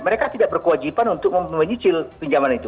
mereka tidak berkewajiban untuk menyicil pinjaman itu